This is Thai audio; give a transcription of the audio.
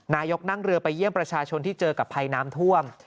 นายกนั่งเรือไปเยี่ยมประชาชนที่เจอกับภัยน้ำท่วม